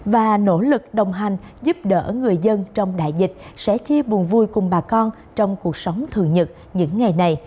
và nỗ lực đồng hành giúp đỡ người dân trong đại dịch sẽ chia buồn vui cùng bà con trong cuộc sống thường nhật những ngày này